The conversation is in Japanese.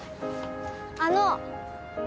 あの！